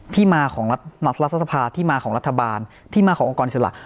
ที่มาของรัฐสภาที่มาของรัฐบาลที่มาขององค์กรอิสระ